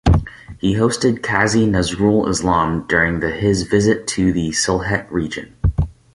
He hosted Kazi Nazrul Islam during the his visit to the Sylhet region.